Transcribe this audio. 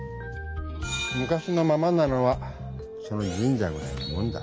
昔のままなのはその神社ぐらいなもんだ。